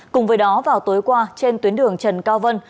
cùng với đó vào tối qua trên tuyến đường trần cao vân